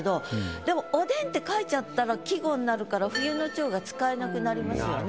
でも「おでん」って書いちゃったら季語になるから「冬の蝶」が使えなくなりますよね。